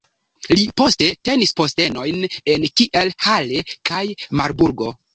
Li poste tenis postenojn en Kiel, Halle kaj Marburgo.